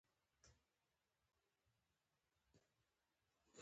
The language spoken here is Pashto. د مالیې پر سر دغه بلوا ډېر ژر کابو شوه.